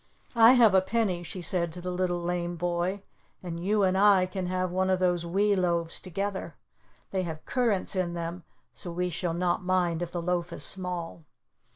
"I have a penny," she said to the Little Lame Boy, "and you and I can have one of those wee loaves together. They have currants in them, so we shall not mind if the loaf is small."